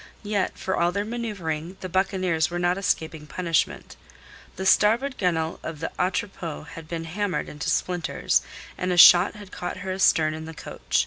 Yet for all their manoeuvring the buccaneers were not escaping punishment. The starboard gunwale of the Atropos had been hammered into splinters, and a shot had caught her astern in the coach.